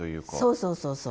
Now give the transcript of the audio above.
そうそうそうそう。